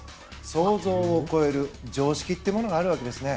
想像を超える常識ってものがあるわけですね。